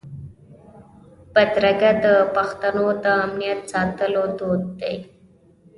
بدرګه د پښتنو د امنیت ساتلو دود دی.